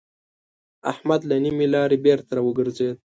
احمد له نيمې لارې بېرته وګرځېد.